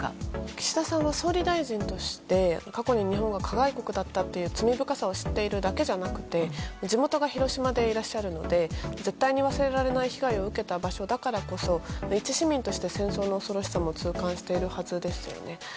岸田さんは総理大臣として過去に日本が加害国だったという罪深さを知っているだけではなく地元が広島でいらっしゃるので絶対に忘れられない被害を受けた場所だからこそ一市民として戦争の恐ろしさも痛感しているはずですよね。